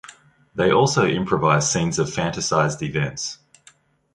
They also improvise scenes of fantasized events.